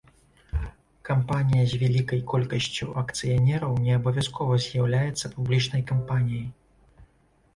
Кампанія з вялікай колькасцю акцыянераў не абавязкова з'яўляецца публічнай кампаніяй.